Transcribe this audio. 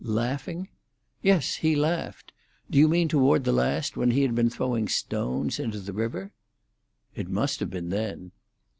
"Laughing?" "Yes; he laughed. Do you mean toward the last, when he had been throwing stones into the river?" "It must have been then."